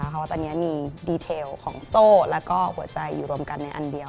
เพราะว่าตอนนี้มีดีเทลของโซ่แล้วก็หัวใจอยู่รวมกันในอันเดียว